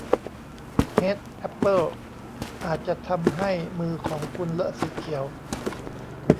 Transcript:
เฮดจ์ แอปเปิ้ลอาจจะทำให้มือของคุณเลอะสีเขียว